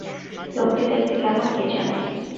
লোকটি দেখতে কেমন কে জানে?